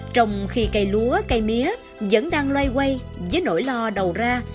trong khi cây lúa cây mía vẫn đang loay quay với nỗi lo đầu ra